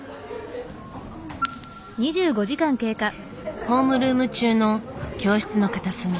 ホームルーム中の教室の片隅。